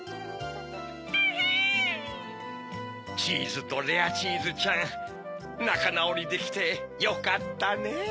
チーズとレアチーズちゃんなかなおりできてよかったねぇ。